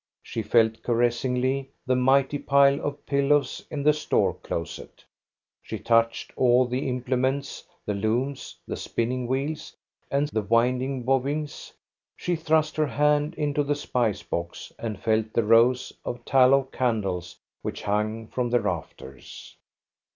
She felt caressingly the mighty pile of pillows in the store closet. She touched all the im plements, the looms, the spinning wheels, and wind ing bobbins. She thrust her hand into the spice box, and felt the rows of tallow candles which hung from the rafters.